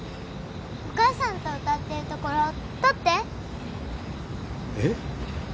お母さんと歌ってるところ撮ってえっ？